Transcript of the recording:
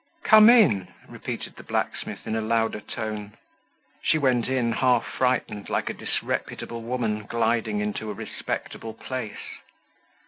"Come in," repeated the blacksmith in a louder tone. She went in, half frightened, like a disreputable woman gliding into a respectable place.